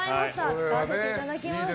使わせていただきます。